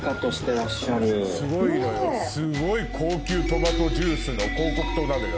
すごい高級トマトジュースの広告塔なのよ